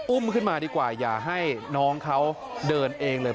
อุ้มขึ้นมาดีกว่าอย่าให้น้องเขาเดินเองเลย